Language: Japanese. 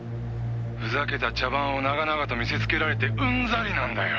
「ふざけた茶番を長々と見せつけられてウンザリなんだよ！